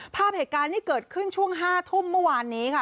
ภาพเหตุการณ์ที่เกิดขึ้นช่วง๕ทุ่มเมื่อวานนี้ค่ะ